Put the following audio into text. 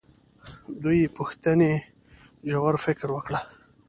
دوې پوښتنې ژور فکر وکړو.